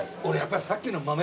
俺やっぱさっきの。